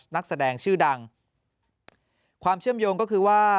นักแสดงชื่อดังความเชื่อมโยงก็คือว่า